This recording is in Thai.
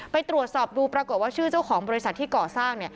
ไปตรวจสอบดูปรากฏว่าชื่อเจ้าของบริษัทที่ก่อสร้าง